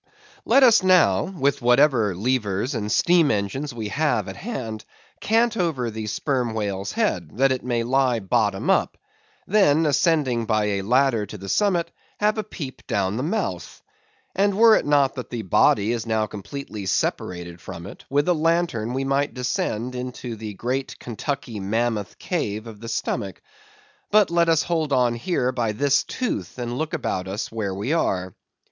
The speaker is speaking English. Let us now with whatever levers and steam engines we have at hand, cant over the sperm whale's head, that it may lie bottom up; then, ascending by a ladder to the summit, have a peep down the mouth; and were it not that the body is now completely separated from it, with a lantern we might descend into the great Kentucky Mammoth Cave of his stomach. But let us hold on here by this tooth, and look about us where we are.